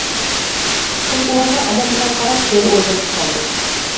قىز ئۇنىڭغا ئەلەم بىلەن قاراپ يەنە ئويلىنىپ قالدى.